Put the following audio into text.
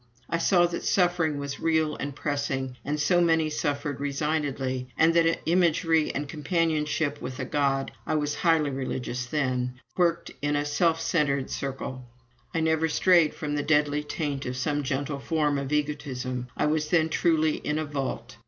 I saw that suffering was real and pressing, and so many suffered resignedly; and that imagery and my companionship with a God (I was highly "religious" then) worked in a self centred circle. I never strayed from the deadly taint of some gentle form of egotism. I was then truly in a "vault."